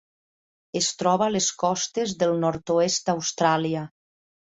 Es troba a les costes del nord-oest d'Austràlia.